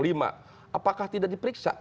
lima apakah tidak diperiksa